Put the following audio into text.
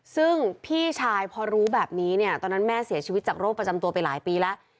ซึ่งพี่ชายพอรู้แบบนี้เนี่ยตอนนั้นแม่เสียชีวิตจากโรคประจำตัวไปหลายปีแล้ว